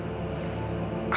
apakah itu sungguhan